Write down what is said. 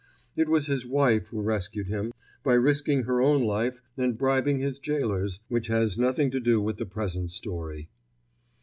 It was his wife who rescued him, by risking her own life and bribing his gaolers, which has nothing to do with the present story.